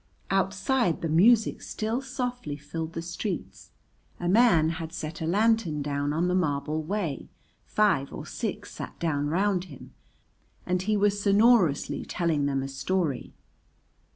Outside the music still softly filled the streets, a man had set a lantern down on the marble way, five or six sat down round him, and he was sonorously telling them a story.